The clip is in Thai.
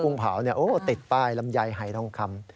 กรุงเผาเนี่ยติดป้ายลำยายให้ต้องคำ